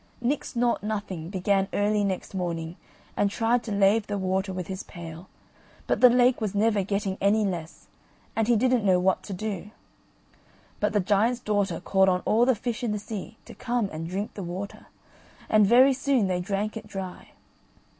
Nix Nought Nothing began early next morning and tried to lave the water with his pail, but the lake was never getting any less, and he didn't know what to do; but the giant's daughter called on all the fish in the sea to come and drink the water, and very soon they drank it dry.